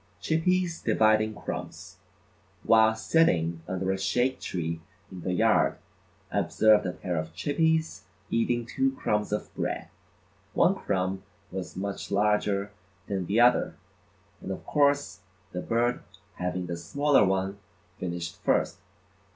Chippies Dividing Crumbs: While sitting under a shade tree in the yard, I observed a pair of Chippies eating two crumbs of bread. One crumb was much larger than the other, and of course the bird having the smaller one finished first.